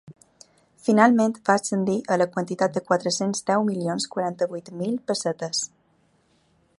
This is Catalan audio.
Finalment va ascendir a la quantitat de quatre-cents deu milions quaranta-vuit mil pessetes.